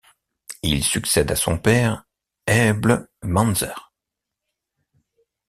Il succède à son père Ebles Manzer.